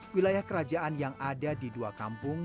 wilayah kerajaan yang ada di dua kampung